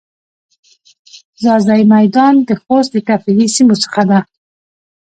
ځاځی میدان د خوست د تفریحی سیمو څخه ده.